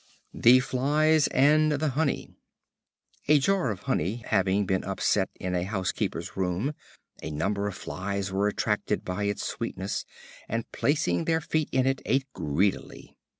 The Flies and the Honey. A Jar of Honey having been upset in a housekeeper's room, a number of flies were attracted by its sweetness, and placing their feet in it, ate it greedily.